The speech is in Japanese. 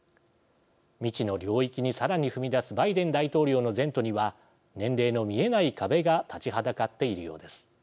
未知の領域にさらに踏み出すバイデン大統領の前途には年齢の見えない壁が立ちはだかっているようです。